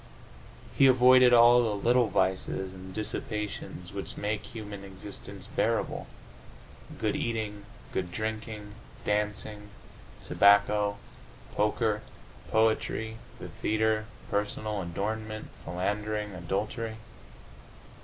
He avoided all the little vices and dissipations which make human existence bearable: good eating, good drinking, dancing, tobacco, poker, poetry, the theatre, personal adornment, philandering, adultery.